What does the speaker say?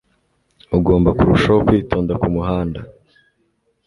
Ugomba kurushaho kwitonda kumuhanda.